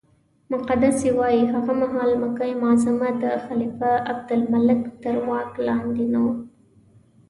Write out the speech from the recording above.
مقدسي وایي هغه مهال مکه معظمه د خلیفه عبدالملک تر واک لاندې نه وه.